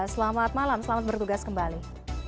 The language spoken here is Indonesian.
selamat malam selamat bertugas kembali